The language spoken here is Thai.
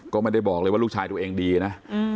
ก็ไม่ได้บอกเลยว่าลูกชายตัวเองดีนะ